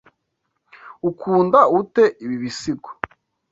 Ukunda ute ibi bisigo?